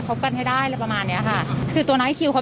บกันให้ได้อะไรประมาณเนี้ยค่ะคือตัวน้อยคิวเขา